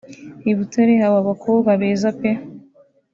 “I Butare haba abakobwa beza pe